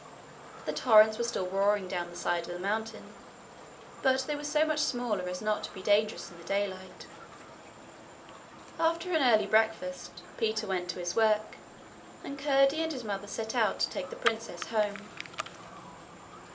The torrents were still roaring down the side of the mountain, but they were so much smaller as not to be dangerous in the daylight. After an early breakfast, Peter went to his work and Curdie and his mother set out to take the princess home.